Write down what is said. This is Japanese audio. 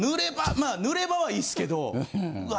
まあ濡れ場はいいんすけどうわ